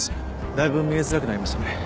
だいぶ見えづらくなりましたね。